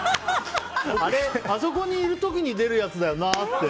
あれ、あそこにいる時に出るやつだよなって。